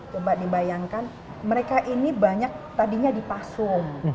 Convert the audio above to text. coba dibayangkan mereka ini banyak tadinya dipasung